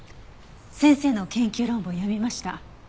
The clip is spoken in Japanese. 先生の研究論文を読みました。